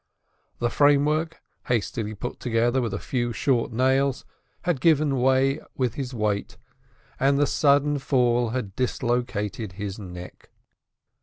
The framework, hastily put together with a few short nails, had given way with his weight, and the sudden fall had dislocated his neck.